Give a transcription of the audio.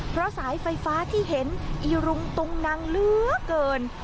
เพราะสายไฟฟ้าที่เห็นอีรุงตุงนังเหลือเกิน